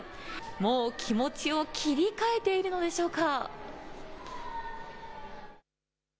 もう気持ちを切り替えているのでしょうか。